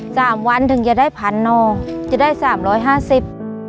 สามวันถึงจะได้พันนอจะได้สามร้อยห้าสิบ